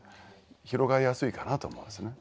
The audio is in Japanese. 広がりやすいかなと思うんですね。